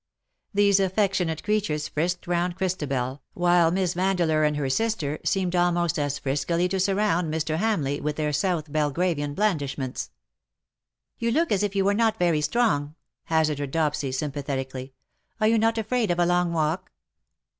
These affectionate creatures frisked round Chris tabel, while Miss Vandeleur and her sister seemed THAT THE DAY WILL END." 227 almost as friskily to surround Mr. Hamleigh with their South Belgravian blandishments. ^^ You look as if you were not very strong/' 'hazarded Dopsy, sympathetically. '^ Are you not afraid of a long walk